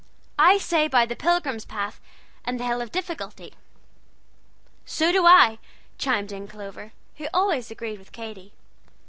"I say by the Pilgrim's Path and the Hill of Difficulty." "So do I!" chimed in Clover, who always agreed with Katy.